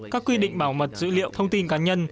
các quy định bảo mật dữ liệu thông tin cá nhân